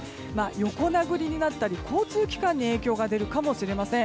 横殴りになったり交通機関に影響が出るかもしれません。